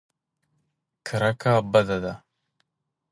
کرکه بده ده.